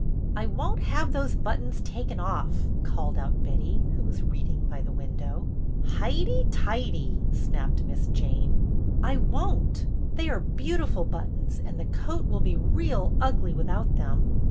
" I won't have tho^e buttons taken off," called out Betty, who was reading by the window. " Highty tighty !" snapped Miss Jane. " I won't. They are beautiful buttons and the coat will be real ugly without tliem.